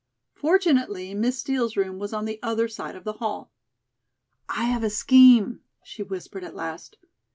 Fortunately Miss Steel's room was on the other side of the hall. "I have a scheme," she whispered at last.